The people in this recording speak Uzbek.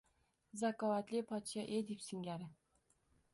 Zakovatli podsho Edip singari!